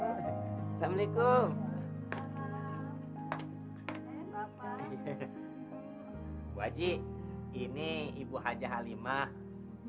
yang insya allah akan mengajar di musyelah ini